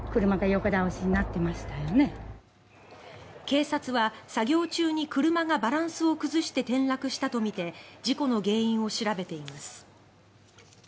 警察は作業中に車がバランスを崩して転落したとみて事故の原因を調べています。